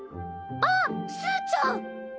あっすーちゃん！